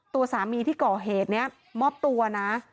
ตัวสามีที่ก่อเหตุนี้มอบตัวนะ